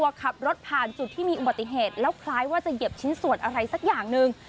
ว่าจะเหยียบชิ้นส่วนอะไรสักอย่างหนึ่ง